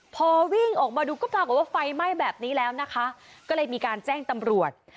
พอวิ่งออกมาดูก็ปรากฏว่าไฟไหม้แบบนี้แล้วนะคะก็เลยมีการแจ้งตำรวจ